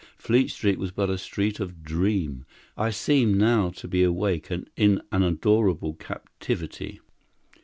Fleet Street was but a street of dream. I seemed now to be awake and in an adorable captivity.